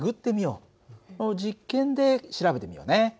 実験で調べてみようね。